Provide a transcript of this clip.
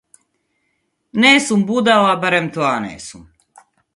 Не сум будала, барем тоа не сум.